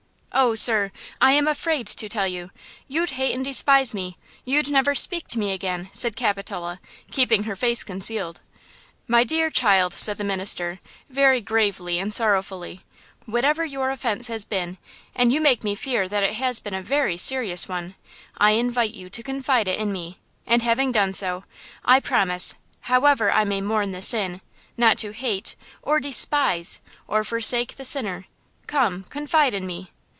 "Oh, sir, I am afraid to tell you; you'd hate and despise me; you'd never speak to me again," said Capitola, keeping her face concealed. "My dear child," said the minister, very gravely and sorrowfully, "whatever your offense has been, and you make me fear that it has been a very serious one, I invite you to confide it to me, and, having done so, I promise, however I may mourn the sin, not to 'hate,' or 'despise,' or forsake the sinner. Come, confide in me."